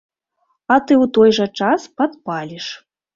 А ты ў той жа час падпаліш.